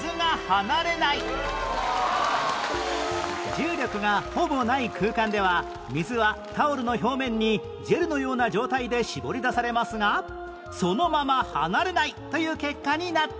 重力がほぼない空間では水はタオルの表面にジェルのような状態で絞り出されますがそのまま離れないという結果になったそうです